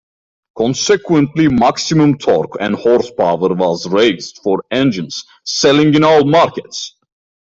Consequently, maximum torque and horsepower was raised for engines selling in all markets.